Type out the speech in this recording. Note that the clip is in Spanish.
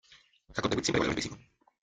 Jacob de Witt siempre valoró el estoicismo.